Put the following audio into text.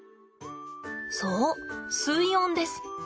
そう水温です。